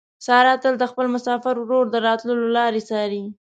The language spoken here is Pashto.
ساره تل د خپل مسافر ورور د راتلو لارې څاري.